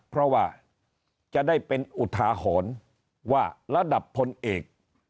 เพราะว่าจะได้เป็นอุทาหรณ์ว่าระดับพลเอก